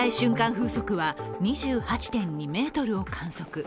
風速は２８．２メートルを観測。